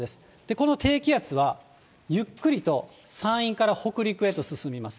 この低気圧はゆっくりと山陰から北陸へと進みます。